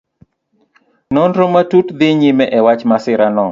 Nonro matut dhi nyime e wach masirano.